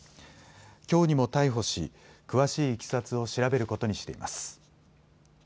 きょうにも逮捕し詳しいいきさつを調べることにしています。